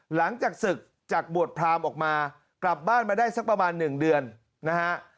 หลังจากศึกจากบวชพรามออกมากลับบ้านมาได้สักประมาณ๑เดือนนะฮะ